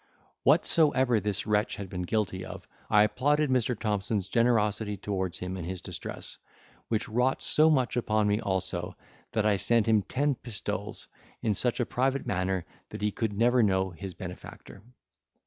Whatsoever this wretch had been guilty of, I applauded Mr. Thompson's generosity towards him in his distress, which wrought so much upon me also, that I sent him ten pistoles, in such a private manner that he could never know his benefactor.